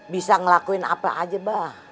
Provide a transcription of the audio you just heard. bisa ngelakuin apa aja bah